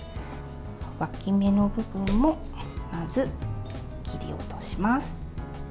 わき芽の部分をまず切り落とします。